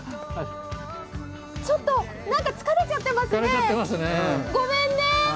ちょっと疲れちゃってますね、ごめんね。